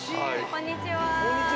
・こんにちは。